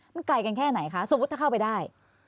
มันไกลกันแค่ไหนคะสมมุติถ้าเข้าไปได้